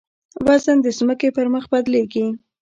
وزن د ځمکې پر مخ بدلېږي.